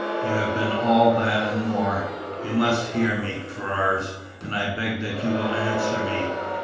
You have been all that and more. You must hear me, Ferrars. And I beg that you will answer me.